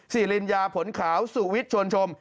สิริญญาผลขาวสู่วิชชวนชม